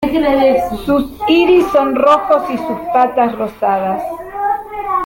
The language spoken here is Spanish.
Sus iris son rojos y sus patas rosadas.